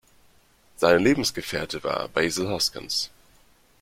Sein Lebensgefährte war Basil Hoskins.